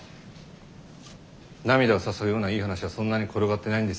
涙を誘うようないい話はそんなに転がってないんですよ。